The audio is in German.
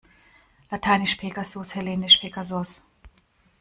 Lateinisch Pegasus, hellenisch Pegasos.